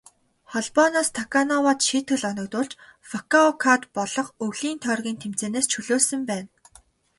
Холбооноос Таканоивад шийтгэл оногдуулж, Фүкүокад болох өвлийн тойргийн тэмцээнээс чөлөөлсөн байна.